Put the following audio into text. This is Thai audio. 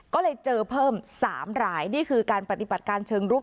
ก็เลยเจอเพิ่ม๓รายนี่คือการปฏิบัติการเชิงรุก